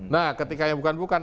nah ketika yang bukan bukan